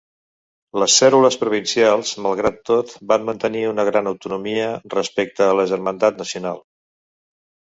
Les cèl·lules provincials malgrat tot van mantenir una gran autonomia respecte a la germandat nacional.